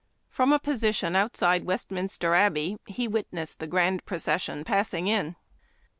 From a position outside Westminster Abbey he witnessed the grand procession passing in.